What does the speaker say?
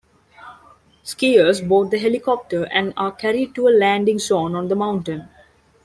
Skiers board the helicopter and are carried to a landing zone on the mountain.